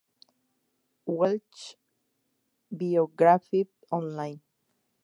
Welsh Biography Online